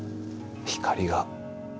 光が。